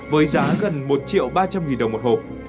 với giá gần một triệu ba trăm linh nghìn đồng một hộp